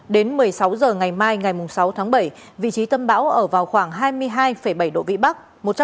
đến một mươi sáu h ngày mai ngày sáu tháng bảy vị trí tâm bão ở vào khoảng hai mươi hai bảy độ vĩ bắc